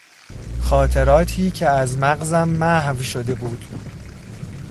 خاطراتی که از مغزم محو شده بود